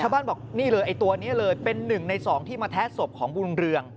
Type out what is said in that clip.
บ้านบอกนี่เลยไอ้ตัวนี้เลยเป็น๑ใน๒ที่มาแท้ศพของบุญเรือง